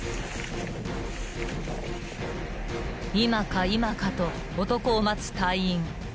［今か今かと男を待つ隊員］